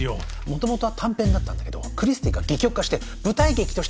もともとは短編だったんだけどクリスティーが戯曲化して舞台劇としても有名。